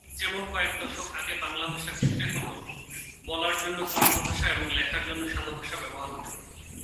ঠিক যেমন কয়েক দশক আগে বাংলা ভাষার ক্ষেত্রে হত; বলার জন্য চলিত ভাষা এবং লেখার জন্য সাধু ভাষা ব্যবহার হত।